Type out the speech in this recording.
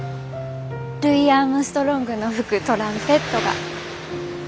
ルイ・アームストロングの吹くトランペットが。